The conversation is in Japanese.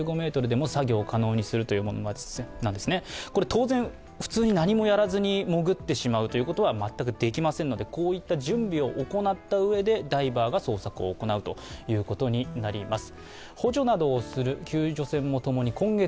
当然、普通に何もやらずに潜ってしまうということは全くできませんので、こういった準備を行ったうえでダイバーが捜索を行うということになります。